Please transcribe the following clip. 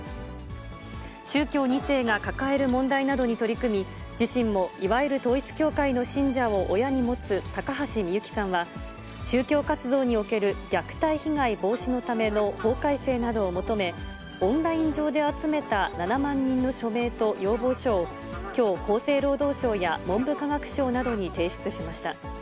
宗教２世が抱える問題などに取り組み、自身もいわゆる統一教会の信者を親に持つ、高橋みゆきさんは、宗教活動における虐待被害防止のための法改正などを求め、オンライン上で集めた７万人の署名と要望書を、きょう、厚生労働省や文部科学省などに提出しました。